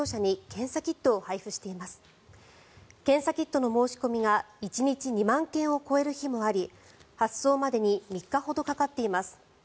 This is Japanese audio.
検査キットの申し込みが１日２万件を超える日もあり発送までに３日ほどかかっています。